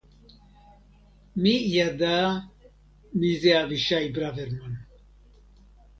מי ידע מי זה אבישי ברוורמן